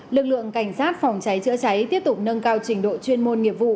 lực lượng cảnh sát phòng cháy chữa cháy tiếp tục nâng cao trình độ chuyên môn nghiệp vụ